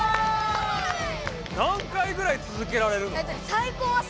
何回ぐらい続けられるの？